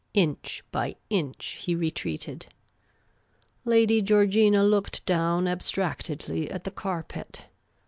Inch by inch he retreated. Lady Georgina looked down abstractedly at the carpet.